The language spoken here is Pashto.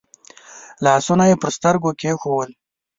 لاسونه يې پر سترګو کېښودل.